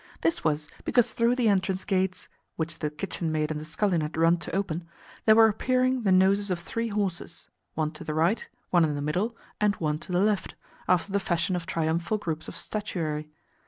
This was because through the entrance gates (which the kitchen maid and the scullion had run to open) there were appearing the noses of three horses one to the right, one in the middle, and one to the left, after the fashion of triumphal groups of statuary.